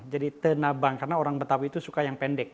tenabang karena orang betawi itu suka yang pendek